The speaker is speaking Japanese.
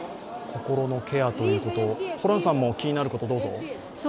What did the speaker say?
心のケアということホランさんも気になることどうぞ。